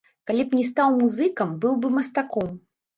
Калі б не стаў музыкам, быў бы мастаком.